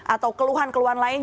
atau keluhan keluhan lain